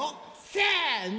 せの！